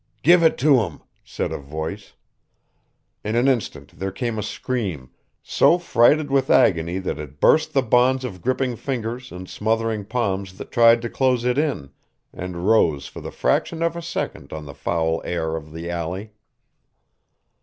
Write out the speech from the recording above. "Give it to him," said a voice. In an instant there came a scream, so freighted with agony that it burst the bonds of gripping fingers and smothering palms that tried to close it in, and rose for the fraction of a second on the foul air of the alley.